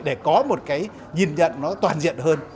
để có một cái nhìn nhận nó toàn diện